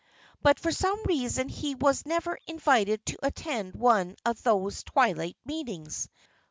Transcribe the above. But for some reason he was never invited to attend one of those twilight meetings.